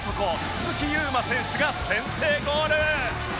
鈴木優磨選手が先制ゴール！